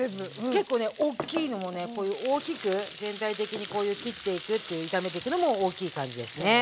結構ねおっきいのもねこういう大きく全体的にこういう切っていくっていう炒めてくのも大きい感じですね。